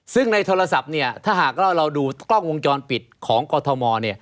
ซึ่งในโทรศัพท์เนี่ยถ้าหากเราดูกล้องวงจรปิดของกอทมเนี่ย